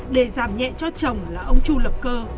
để giảm nhẹ cho chồng là ông chu lập cơ